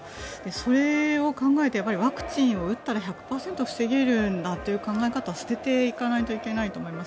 それを考えたらワクチンを打ったら１００％防げるんだっていう考え方は捨てていかないといけないと思います。